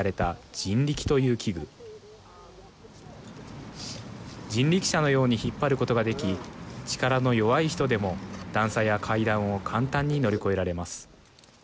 人力車のように引っ張ることができ力の弱い人でも段差や階段を簡単に乗り越えられます。